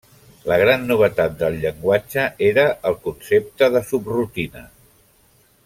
La gran novetat del llenguatge era el concepte de subrutina.